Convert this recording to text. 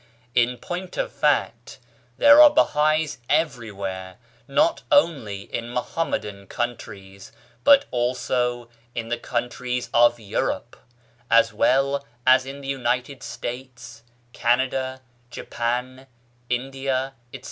In point of fact, there are Bahais everywhere, not only in Muhammedan countries, but also in all the countries of Europe, as well as in the United States, Canada, Japan, India, etc.